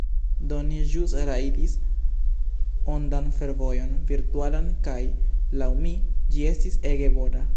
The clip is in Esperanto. Do, ni ĵus rajdis ondan fervojon virtualan kaj, laŭ mi, ĝi estis ege bona